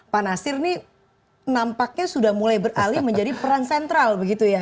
pak nasir ini nampaknya sudah mulai beralih menjadi peran sentral begitu ya